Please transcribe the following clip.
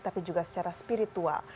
tapi juga secara spiritual